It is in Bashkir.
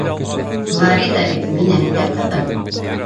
Флорида бит минең дә ҡыҙым.